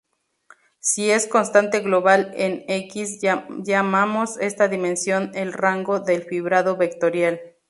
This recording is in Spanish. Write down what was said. Si es constante global en "X", llamamos esta dimensión el rango del fibrado vectorial.